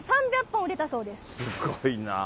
すっごいな。